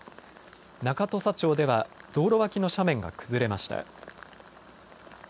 中土佐町では道路脇の斜面が崩れました。